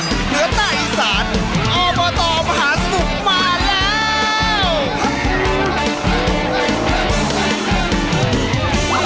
เหนือใต้อีสานอบตมหาสนุกมาแล้ว